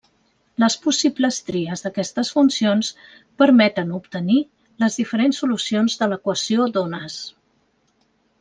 Les possibles tries d'aquestes funcions permeten obtenir les diferents solucions de l'equació d'ones.